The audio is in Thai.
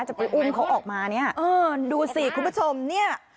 จะไปอุ้มเขาออกมาเนี่ยเออดูสิคุณผู้ชมเนี่ย